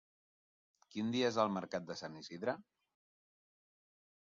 Quin dia és el mercat de Sant Isidre?